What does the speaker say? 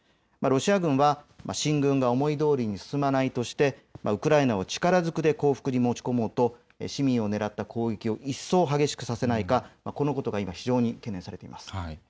ロシア軍は進軍が思いどおりに進まないとしてウクライナは力ずくで降伏に持ち込もうと市民を狙った攻撃を一層激しくさせないか、このことが非常に懸念されています。